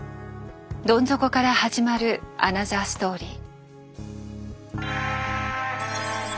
どん底から始まるアナザーストーリー。